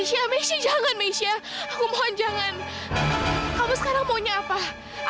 sampai jumpa di video selanjutnya